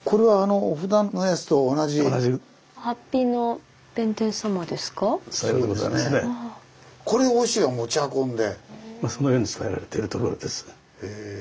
そのように伝えられているところです。